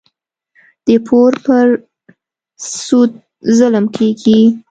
د پور پر سود ظلم کېږي.